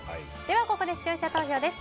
ここで視聴者投票です。